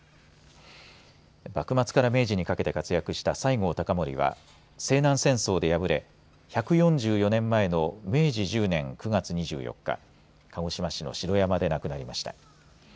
幕末から明治にかけて活躍した西郷隆盛は西南戦争で敗れ１４４年前の明治１０年９月２４日鹿児島市の城山で亡くなりました。